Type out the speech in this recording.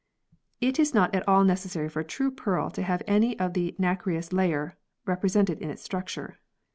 It is not at all necessary for a true pearl to have any of the nacreous layer represented in its structure.